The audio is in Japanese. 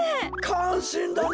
かんしんだな。